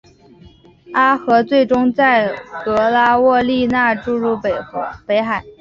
阿河最终在格拉沃利讷注入北海。